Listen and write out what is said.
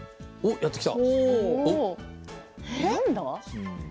やってきた。